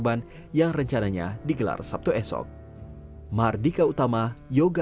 masjid ini adalah masjid yang sangat penting untuk kita